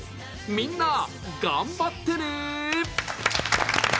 みんな、頑張ってね。